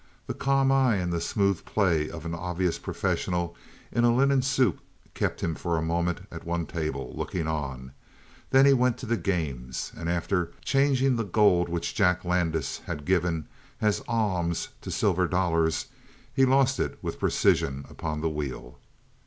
The calm eye and the smooth play of an obvious professional in a linen suit kept him for a moment at one table, looking on; then he went to the games, and after changing the gold which Jack Landis had given as alms so silver dollars, he lost it with precision upon the wheel.